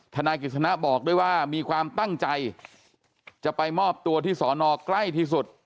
นายกิจสนะบอกด้วยว่ามีความตั้งใจจะไปมอบตัวที่สอนอใกล้ที่สุด